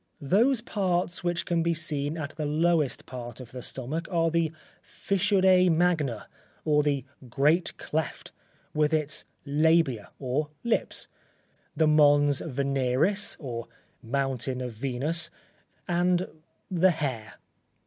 Those parts which can be seen at the lowest part of the stomach are the fissure magna, or the great cleft, with its labia or lips, the Mons Veneris, or Mountain of Venus, and the hair.